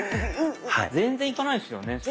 全然いかないですよね？